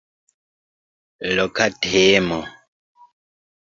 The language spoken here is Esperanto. Loka temo.